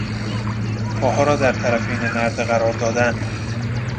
پاها را در طرفین نرده قرار دادن